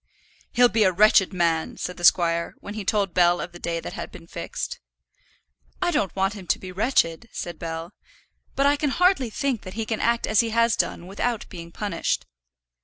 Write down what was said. "He'll be a wretched man," said the squire, when he told Bell of the day that had been fixed. "I don't want him to be wretched," said Bell. "But I can hardly think that he can act as he has done without being punished."